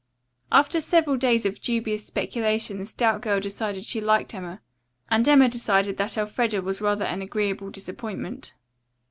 After several days of dubious speculation the stout girl decided she liked Emma, and Emma decided that Elfreda was rather an agreeable disappointment.